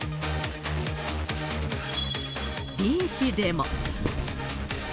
ビーチでも。